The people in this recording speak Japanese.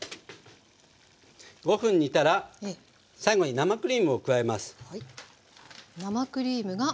５分煮たら最後に生クリームを加えます。